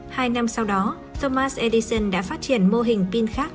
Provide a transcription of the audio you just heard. hai năm sau đó thomas edison đã phát triển mô hình pin khác